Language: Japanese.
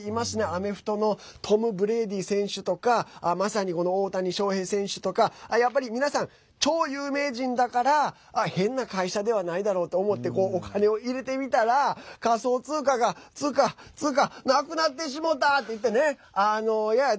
アメフトのトム・ブレイディ選手とかまさに、この大谷翔平選手とかやっぱり皆さん、超有名人だから変な会社ではないだろうと思ってお金を入れてみたら仮想通貨が通貨、通貨なくなってしもた！って言ってね。